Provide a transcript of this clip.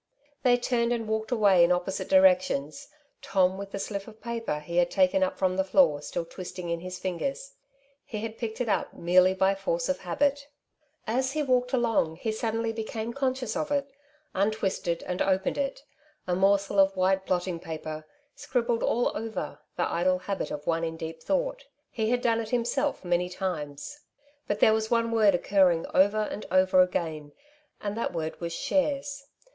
They turned and walked away in opposite direc tions, Tom with the slip of paper he had taken up from the floor still twisting in his fingers. He had picked it up merely by force of habit. As he Castles in the Air, 33 walked along he saddenly became conscioas of it, untwisted and opened it — a morsel of white blot ting paper, scribbled all over, the idle habit of one in deep thoaght ; he had done it himself many times. But there was one word occurring over and over again, and that word was slvares.